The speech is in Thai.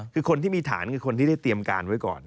คือคนที่มีฐานคือคนที่ได้เตรียมการไว้ก่อน